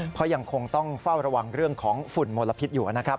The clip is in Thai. เพราะยังคงต้องเฝ้าระวังเรื่องของฝุ่นมลพิษอยู่นะครับ